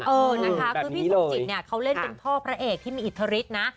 เออนะคะคือพี่สมจิตเนี่ยเขาเล่นเป็นพ่อพระเอกที่มีอิทธิฤทธิ์นะ